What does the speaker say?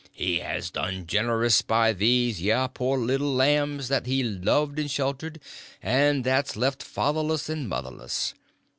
He has done generous by these yer poor little lambs that he loved and sheltered, and that's left fatherless and motherless.